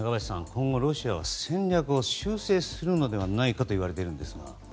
今後、ロシアは戦略を修正するのではないかと言われているんですが。